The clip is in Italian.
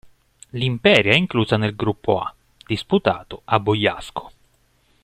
L'Imperia è inclusa nel Gruppo A, disputato a Bogliasco